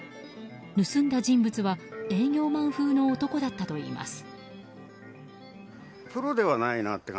盗んだ人物は営業マン風の男だったといいます。